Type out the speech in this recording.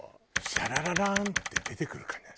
「シャラララーン」で出てくるかね？